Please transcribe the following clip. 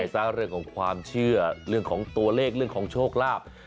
ยังไงซะเรื่องของตัวเลขเรื่องของชกลาบ